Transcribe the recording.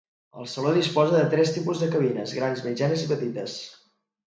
El saló disposa de tres tipus de cabines: grans, mitjanes i petites.